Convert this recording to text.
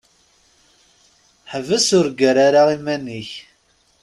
Ḥbes ur ggar ara iman-ik.